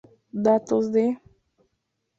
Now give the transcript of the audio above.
Datos de